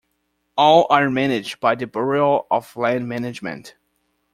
All are managed by the Bureau of Land Management.